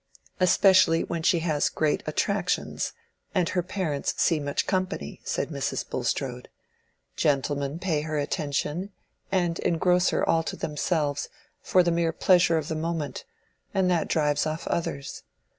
"Especially when she has great attractions, and her parents see much company," said Mrs. Bulstrode. "Gentlemen pay her attention, and engross her all to themselves, for the mere pleasure of the moment, and that drives off others.